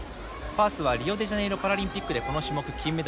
ファースはリオデジャネイロパラリンピックでこの種目金メダル。